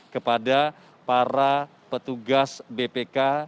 kepada para petugas bpk